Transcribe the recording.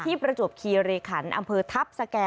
ประจวบคีรีขันอำเภอทัพสแก่